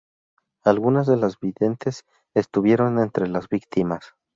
Algunas de las videntes estuvieron entre las víctimas.